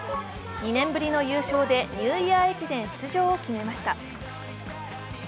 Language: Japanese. ２年ぶりの優勝で、ニューイヤー駅伝出場を決めました。